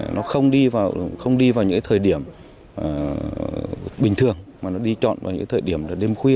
nó không đi vào những thời điểm bình thường mà nó đi chọn vào những thời điểm đêm khuya